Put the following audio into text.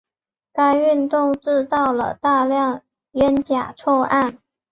该运动制造了大量冤假错案。